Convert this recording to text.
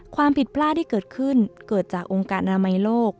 ความผิดพลาดที่เกิดขึ้นเกิดจากองค์การอนามัยโลก